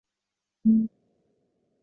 拉瓦勒是加拿大的一个城市。